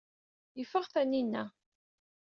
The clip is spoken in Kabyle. Ifeɣ Taninna.